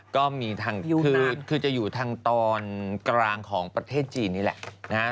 ก็มีทางคือจะอยู่ทางตอนกลางของประเทศจีนนี่แหละนะฮะ